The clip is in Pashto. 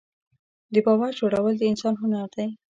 د باور جوړول د انسان هنر دی.